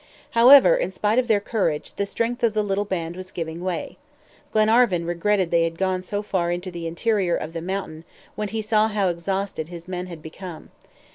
However, in spite of their courage, the strength of the little band was giving way. Glenarvan regretted they had gone so far into the interior of the mountain when he saw how exhausted his men had become.